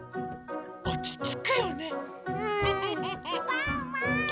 ・ワンワーン！